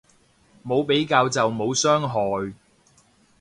冇比較就冇傷害